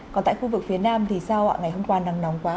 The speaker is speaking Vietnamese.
còn tại khu vực phía nam thì sao ạ ngày hôm qua nắng nóng quá